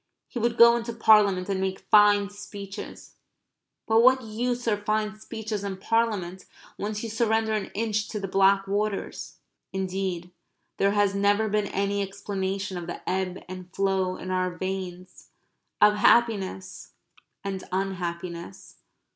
He would go into Parliament and make fine speeches but what use are fine speeches and Parliament, once you surrender an inch to the black waters? Indeed there has never been any explanation of the ebb and flow in our veins of happiness and unhappiness.